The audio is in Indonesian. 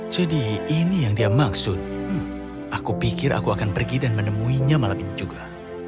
jadi ini yang dia maksud aku pikir aku akan pergi dan menemuinya malam ini juga